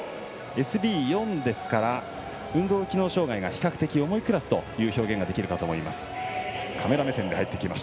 ＳＢ４ですから運動機能障がいが比較的、重いクラスという表現ができると思います。